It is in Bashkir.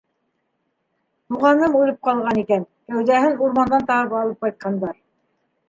Туғаным үлеп ҡалған икән, кәүҙәһен урмандан табып алып ҡайтҡандар.